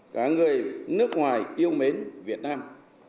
cả người nước ngoài yêu mến việt nam